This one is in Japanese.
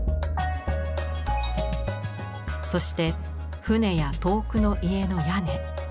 そして舟や遠くの家の屋根。